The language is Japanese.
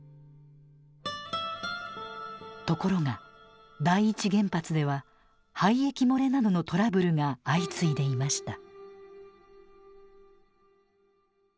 ところが第一原発では廃液漏れなどのトラブルが相次いでいました。